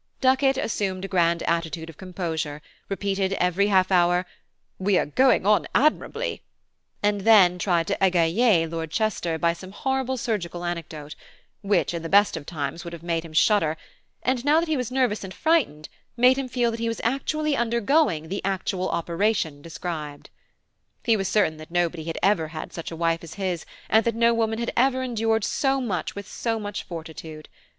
Duckett assumed a grand attitude of composure, repeated every half hour "we are going on admirably," and then tried to égayer Lord Chester by some horrible surgical anecdote, which in the best of times would have made him shudder, and now that he was nervous and frightened, made him feel that he was actually undergoing the actual operation described. He was certain that nobody had ever had such a wife as his, and that no woman had ever endured so much with so much fortitude.